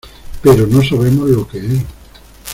pero no sabemos lo que es.